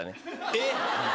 えっ？